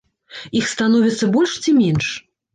Іх становіцца больш ці менш?